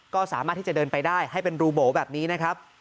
ก็สามารถที่จะเดินไปได้ให้เป็นรูโบแบบนี้นะครับ